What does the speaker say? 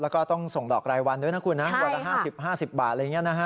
แล้วก็ต้องส่งดอกรายวันด้วยนะคุณนะวันละ๕๐๕๐บาทอะไรอย่างนี้นะฮะ